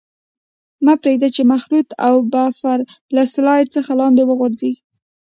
مه پرېږدئ چې مخلوط او بفر له سلایډ څخه لاندې وغورځيږي.